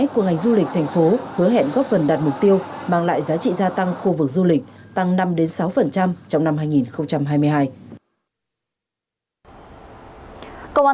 công an thành phố hà nội vừa ra thông báo